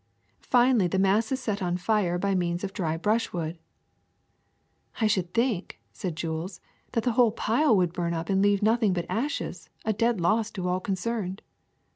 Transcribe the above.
Finally, the mass is set on fire by means of dry brushwood. '' ^^I should think, '^ said Jules, ^'that the whole pile would burn up and leave nothing but ashes, a dead loss to all concerned.